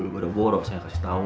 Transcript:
bada boro saya kasih tau